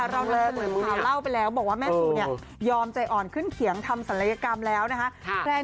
เรานำเสนอข่าวเล่าไปแล้วบอกว่าแม่ซูเนี่ยยอมใจอ่อนขึ้นเขียงทำศัลยกรรมแล้วนะคะ